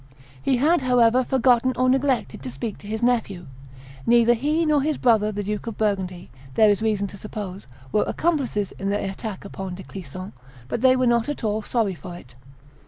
He had, however, forgotten or neglected to speak to his nephew. Neither he nor his brother, the Duke of Burgundy, there is reason to suppose, were accomplices in the attack upon De Clisson, but they were not at all sorry for it.